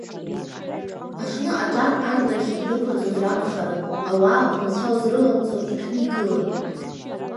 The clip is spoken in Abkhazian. Аҽны аҿар ар рахь идәықәырҵозар акәхарын, ауаа унацәа узрыламҵо иҭәны игылан.